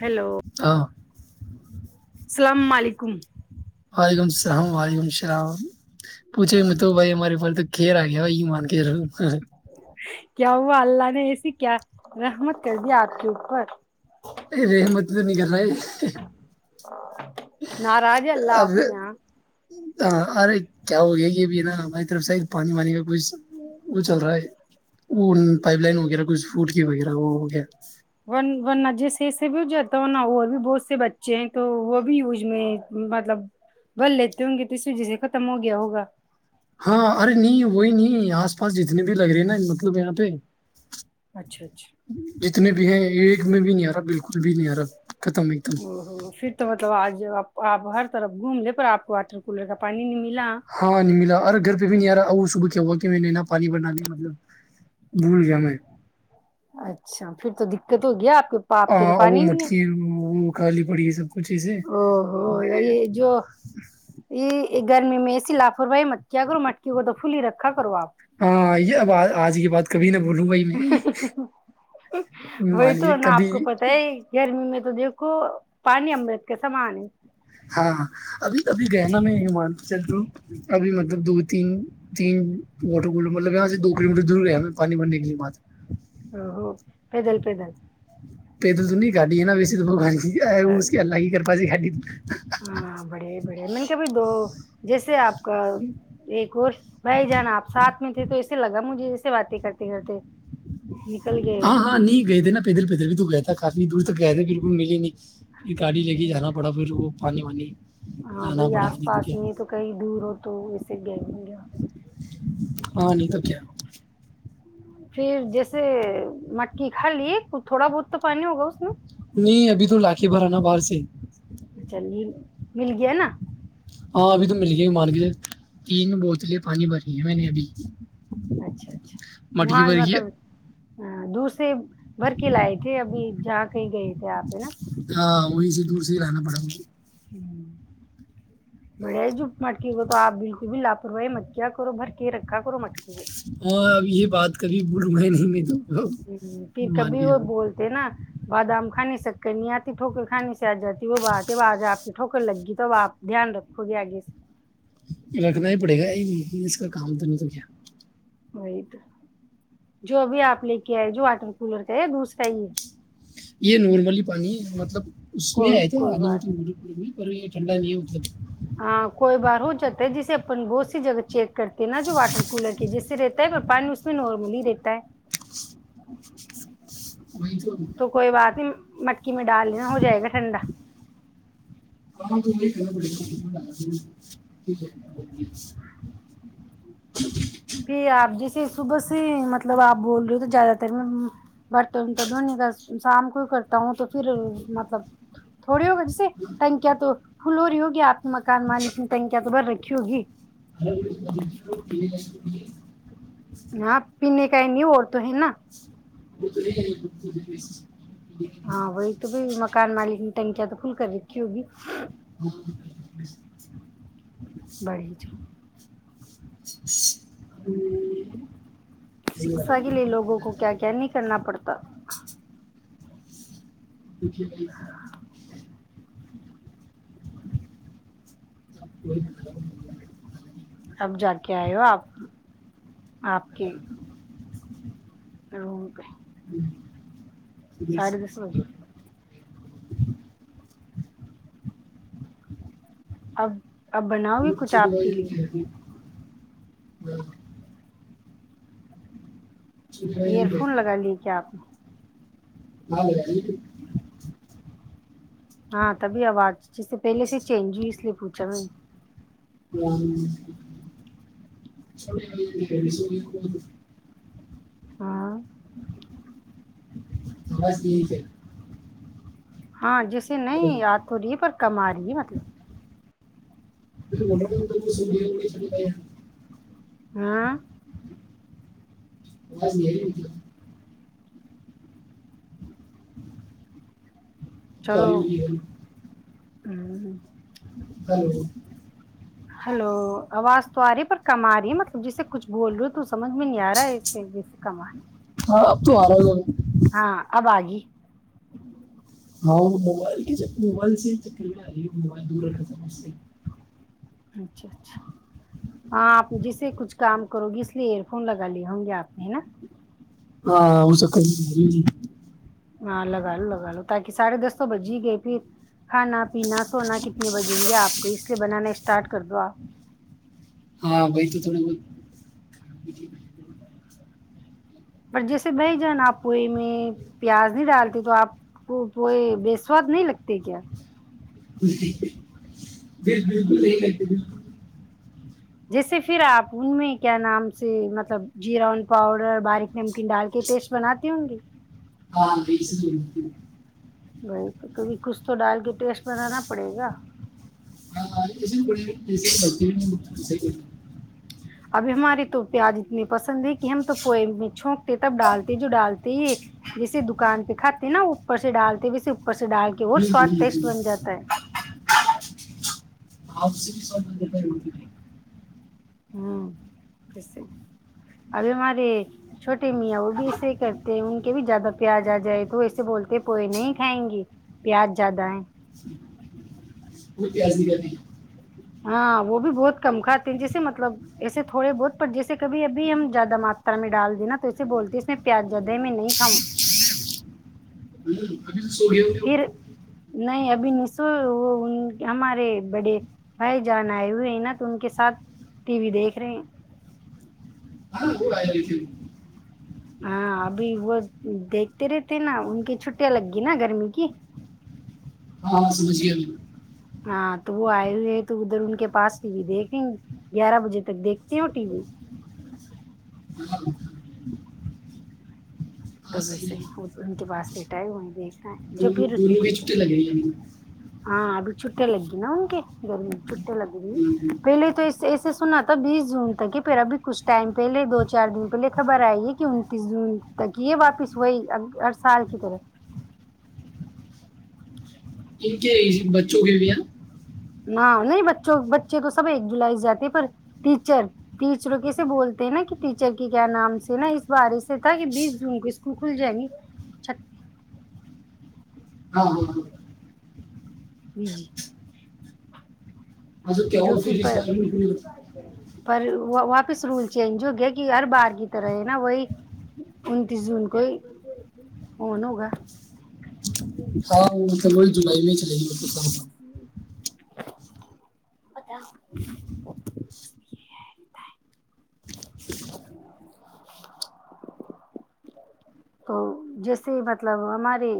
Hello السلام علیکم ہ گم السلام علیکم السلام پوچھے گ میں تو بھائی ہماری فتک کر آ گیا وہی مار کے [unintelligible] کیا ہوا اللہ نے ایسی کیا رحمت کر دیا آپ کے اوپر ا رحمت تو نہیں کر رہا ناراض اللہ آپ سے ہاں ہ ارے کیا ہو گیا یہ بھی ہے نا باری طرف سےید پانی وانی کا کوھ وہ چل رہا ہے وہ پائپ لائن وغیرہ کچھ فوٹ کی وغیرہ وہ ہو گیا و و ن جیس سے بھی ہو جاتا ہو نا اور بھی بہت سے بچے ہیں تو وہ بھی یوج میں مطلب بل لیتے ہوں گے تو اس وجہ سے ختم ہو گیا ہوگا ہاں ارے نہیں وہی نہیں آس پاس جتنے بھی لگ رہے نا مطلب یہاں پہ اچھا اچھا جتنی ہے ایک میں بھی نہیں آ رہا بالکل بھی نہیں آ رہا ختم ایک دم ہ ہوں پھر تو مطلب آج آپ ہر طرف گھوم لے پر آپ واٹر کولر کا پانی نہیں مل ہاں نہیں ملا ارے گھر پہ بھی نہیں آ رہا وہ صب ہوا کہ میں نے نا پانی بنا لیا مطلب بھول گیا میں اچھا پھر تو دقت ہو گیا آپ کے آپ کے تو ہاں وہ پانی نہیں مٹکیا ہے وہ وہ کالی پڑی ہے سب کچھ ایسے او ہو مے یہ جو یہ گرمی میں ایسی لاپرواہی مت کیا کرو مٹکی کو تو پھول ہی رکھا کرو آپ ہاں یہ اب آج کی بات کبھی نہ بھولوں گا ہی میں یوں وہی مانیے تو نا کبھی آپ کو پتا ہے گرمی میں تو تو دیکھو پانی امرت کے سامان ہے ہاں ابھی ابھی گیا نا میں ہماچل تو ابھی مطلب دو تین تین واٹر کول مطلب یہاں سے دو کلو میٹر دور گیا میں پانی بھرنے کے لیے بع ا ہوو پیدل پیدل گاڈ ہے ن ویے بگان کی ہے اچھا وہ اس کی اللہگ ہی کر بی خ ہاں بڑے بڑے میں نے کہ بھائی دو جیسے آپ کا ایک اور بھائی جان آپ ساتھ تھے تو ایے لگا مجھے ایسے باتیں کرتے کرتے نکل گئے ہو ہاں ہاں نہیں گئے تھے نا پیدل پیدل بھی تو گئے تھا کافنی دور تک گئے تھ بالکل مل ہی نہیں پھر گاڑی لے کے جانا پڑا پھر وہ ہ ہونی ہاں بھائی آس پاس میں تو کہیں دور ہو تو گیم گ ہاں نہیں تو کیا پھر جیسے مکی کھا لیے تھوڑا بہت تو پانی ہوگا اس میں نہیں ابھی تو لا کے بھرا نا باہر سے اچھا م مل گیا نا ہاں ابھی تو مل گیا مار کے تین بوتلیں پانی بری ہیں میں نے ابھی اچھا اچھا مٹکی مج بھری ہے مطلب ہ دوسرے بھر کے لائے تھے ابھی جہاں کہیں گئے تھے آپ نا ہاں وہیں سے دور سے ہی رہنا پڑا گے ہ بڑے جپ مٹکی کو تو آپ بالکل بھی لاپرواہی مت کیا کرو بھر کے رکھا کرو مٹکے کو اور اب یہ بات کبھی بولوں گا نہیں میں تو ہ پھر مان کبھی کے وہ چلو بولتے نا بادام کھانے سےک کر نہیں آتی ٹھوکر کھانے سے آ جاتی وہ بات ہے آج آپ کی ٹھکر لگ گی تو ا آپ دھیان رکھو گے آگے سے رکھنا ہی پڑے گا نہیں اس کا کام ت نہیں تو کیا وہی تو جو بھی آپ لے کے ہے جو واٹر کولر کا ہے دوسرا ہی ہے یہ نارملی پانی مطلب اس میں کوئی ہےئے تو کوئی بات اور ٹنڈاد ات ہاں کوئی بار ہو جاتا ہے جسے اپن بہت سی جگہ چیک کرتے ہیں نا جو واٹر کولر کے جس سے رہتا ہے پانی اس میں نارملی رہتا ہے تو کوئی بات نہیں م [unintelligible] کی میں ڈال لینا ہو جائے گا ٹنڈا [unintelligible] پ آپ جی صبح سے مطلب آپ بول رہے ہو تو زیادہ تر میں برتن تو دھونی کا شام کو ہی کرتا ہوں تو پھر مطلب تھوڑی ہوگا جیسے ٹنکیا تو فلور ہوں گیت مکان ملس کی تن ا تو بر رہی کیوں ہیی ہلو [unintelligible] ہاں پینے کائی نہیں اڑت ہے نا وہ تو نہیں ہاں وہی تو بھی مکان مالک ٹنکیا تو کھل کر رکھی ہوگی [unintelligible] بڑی چ ہوں شکشا کے لیے لوگوں کو کیا کیا نہیں کرنا پڑتا [unintelligible] [unintelligible] اب جا کے آئے ہو آپ آپ کی [unintelligible] اور [unintelligible] دس بجے [unintelligible] اب اب بناؤ گی کچھ چھوٹے آپ کے بھائی لیے [unintelligible] ایئر فون چھوٹے لگا لی کیا آپ نے ہاں ہاں تبھی آواز جس سے پہلے سے چینج ہوئی اس لیے پوچھا میں نے [unintelligible] ہاں بس یہ ہے ہاں جیسے نہیں یاد ہو رہی ہے پر کما رہی ہے مطلب [unintelligible] ہاں بس یہ ک توائی بھیی ہے ہوں ہ ہلو ہلو آواز تو آ رہی ہے پر کم آ رہی ہے مطلب جیسے کچھ بول رہے ہو تو سمجھ میں نہیں آ رہا ہے اسے جیسے کم رہی ہاں اب تو آ رہا ہے ہاں ابگ ہاں موائل کی ج موبائل سے چکری میں آ رہی ہے موبائل دور رکھا تھا سے اچھا اچھا ہاں آپ جسے کچھ کام کرو گی اس لیے ایئر فون لگا لیے ہوں گے آپ نے ہے نا ہاں وہ سکر ہاں لگا لو لگا لو تاکہ ساڑھے دس تو بج ہی گئے پھر کھانا پینا سونا کتنے بجیں گے آپ کو اس لیے بنانا اسٹارٹ کر دو آپ ہاں بائی تو تھڑا بت پر جیسے بھائی جان آپ کوئی میں پیاز نہیں ڈالتے تو آپ کو کوئی بےسواد نہیں لگتے کیا [unintelligible] جی بالکلی جیسے پھر آپ ان میں کیا نام سے مطلب جیرا ان پاؤڈر باریک نمکین ڈال کے ٹیسٹ بناتی ہوں گی ہاں بیس تو بی تو کبھی کچھ تو ڈال کے ٹیسٹ بنانا پڑے گا [unintelligible] ابھی ہماری تو پیاز اتنی پسند ہے کہ ہم تو پو میں چھونکتے تب ڈالتے جو ڈالتے ہی جیسے دکان پہ کھاتے ہیں نا اوپر سے ڈالتے ویسے پر سے ڈال کے اور سواد ٹیسٹ بولتے بن جاتا ہے آپ سے بھی س ب بر ہوتی ہسے ابھی ہمارے چھوٹے میاں وہ بھی ایسے ہی کرتے ہیں ان کے بھی زیادہ پیاز آ جائے تو ایسے بولتے پوئے نہیں کھائیں گی پیاز زیادہ ہے وہ تز نہیں کر ت ہاں وہ بھی بہت کم کھاتے ہیں جیسے مطلب ایسے تھوڑے بہت پر جیسے کبھی ابھی ہم زیادہ ماترا میں ڈال دیے نا تو ایسے بولتی اس میں پیاز زیادہ میں نہیں کھاؤں ج سو گ ہو گ ہو پھر نہیں ابھی نسو وہ ان ہمارے بڑے بھائی جان آئے ہوئے ہیں نا تو ان کے ساتھ ٹی وی دیکھ رہے ہیں ت ہاں ابھی وہ دیکھتے رہتے نا ان کی چھٹیاں لگ گی نا گرمی کی ہاںاں سمجھ گیاب ہاں تو وہ آئے ہوئے ہیں تو ادھر ان کے پاس ٹی وی دیکھیں گ گیارہ بجے تک دیکھتے ہو ٹی وی ہاں صحیح توبسے ہے ان کے پاس بیٹھا ہے ہو دیکھ رہے ہیں دوروں بھی چٹی لگے ان ہاں ابھی چھٹے لگی نا ان کے گرمی چھٹے لگ پہلے تو ایسے سنا تھا بیس جون تک ہی پھر ابھی کچھ ٹائم پہلے دو چار دن پہلے خبر آئی ہے کہ انتیس جون تک ہی یہ واپس وہی ہر سال کی طرح ان کے بچوں کے بھییا ہاں نہیں بچوں بچے تو سب ایک جولائی سے جاتے پر ٹیچر ٹیچروں کیسے بولتے ہیں نا کہ ٹیچر کے کیا نام سے نا اس بارے سے تھا کہ بیس جون کو اسکول کھل جائیں گی چھ ہاں ہاں ہاں بی جی اج کیا جو کہ فس پر بار میں ک پر واپس رول چینج ہو گیا کہ ہر بار کی طرح ہے نا وہی انتیس جون کو ہی ان ہوگا ہاں وہ س بول جولائی میں چلے گی چ [unintelligible] [inaudible] تو جیسے مطلب ہمارے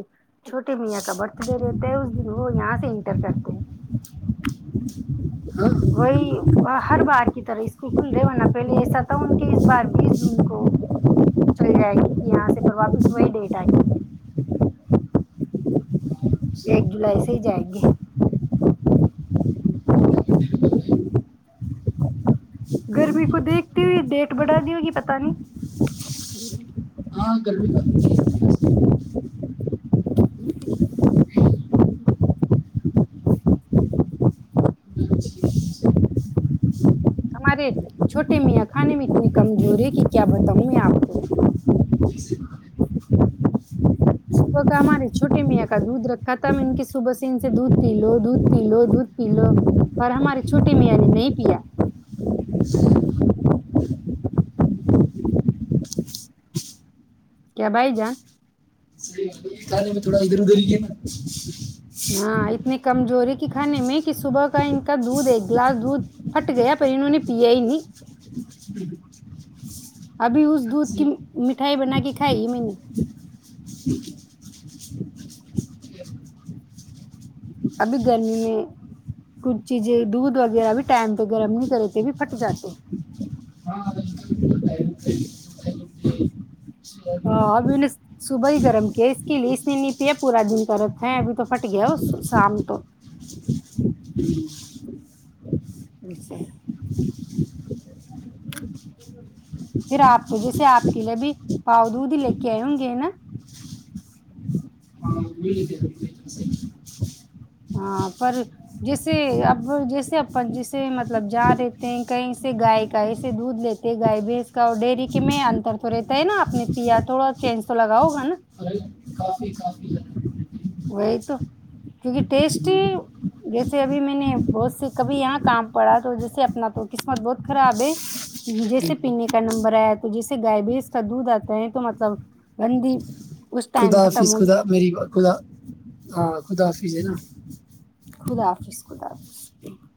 چھوٹے میاں کا برتھ ڈے رہتا ہے اس دن وہ یہاں سے انٹر کرتے ہیں وہی ہر بار کی طرح اس کو کھل رہے ہوناہ پہلے ایسا تھا ان کے اس بار بیس جون کو چل جائیں گی کہ یہاں سے پر واپس وہی ڈیٹ آ گی ایک جولائی سے ہی جائیں گے گرمی کو دیکھتی ہوئی ڈیٹ بڑھا دی ہوگی پت نہیں آاں کرل بھی گا [inaudible] ہمارے چھوٹے میاں خانے میں اتنی کمزور ہے کہ کیا بتاؤں میں آپ کو صبح کا ہمارے چھوٹے میاں کا دودھ رکھا تھا ان کی صبح سے ان سے دودھ پی لو دودھ پی لو دودھ پی لو پر ہمارے چھوٹے میاں نے نہیں پیا کیا بائی جا صحیح ہے کھانے میں تھوڑا ادھر ادھر ہی ہے نا ہاں اتنی کمزور کھانے میں کہ صبح کا ان کا دودھ ایک گلاس دودھ پھٹ گیا پر انہوں نے پیا ہی نہیں ابھی اس نا دودھ کی صحیح مٹھائی بنا کے کھائی میں نے ہے۔ ابھی گرمی میں کچھ چیزیں دودھ وغیرہ بھی ٹائم پہ گرم نہیں کرےتےبھی پھٹ جاتے ہاں ہاں ابھی نے صبح ہی گرم کیا اس کے لیے اس نے نپیا پورا دن کر رکھا ہے ابھی تو پھٹ گیا وہ شام تو پھر آپ تو جیسے آپ کے لیے بھی پاؤ دود ہی لے کے آئے ہوں گے نا ہاں وہی لیتے ہیں۔ ہاں پر جیسے اب جیسے اپن جیسے مطلب جہاں رہتے ہیں کہیں سے گائے کا ایسے دودھ لیتے گائے بھینس کا اور ڈیری کے میں انتر تو رہتا ہے نا اپپ نے پیا تھوڑا چینج تو لگاؤگا نا اور کافی کافی زیادہ۔ وہی تو کیونکہ ٹیسٹ جیسے ابھی میں نے بہت سے کبھی یہاں کام پڑا تو جیسے اپنا تو قسمت بہت خراب ہے جیسے پینے کا نمبر آیا تو جیسے گائے بھیس کا دودھ آتا ہے تو مطلب گندی اس خدا ٹائم ختم حافظ خدا ہوگی میری خدا ہاں خدا حافظ ہے نا خدا حافظ خدا حاظ ج [unintelligible]